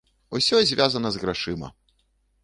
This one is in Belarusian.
Усё звязана з грашыма!